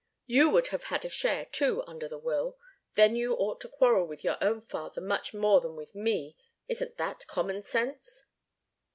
You would have had a share, too, under the will. Then you ought to quarrel with your own father, much more than with me. Isn't that common sense?"